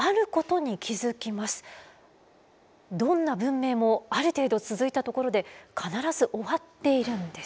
どんな文明もある程度続いたところで必ず終わっているんです。